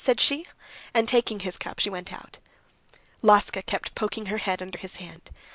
said she, and taking his cup she went out. Laska kept poking her head under his hand.